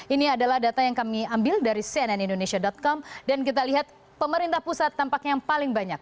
ini adalah data yang kami ambil dari cnnindonesia com dan kita lihat pemerintah pusat tampaknya yang paling banyak